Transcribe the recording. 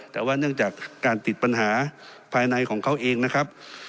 แต่ว่าเนื่องจากการติดปัญหาภายในของเขาเองนะครับ